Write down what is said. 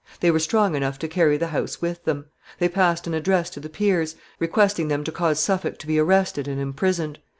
They were strong enough to carry the house with them. They passed an address to the peers, requesting them to cause Suffolk to be arrested and imprisoned.